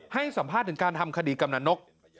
ให้สัมภาษณ์ถึงการทำคดีกำนันนก